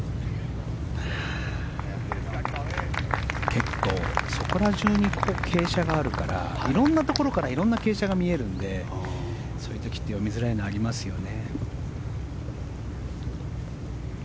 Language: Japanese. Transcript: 結構そこら中に傾斜があるから色んなところから色んな傾斜が見えるのでそういう時って読みづらいのありますよね。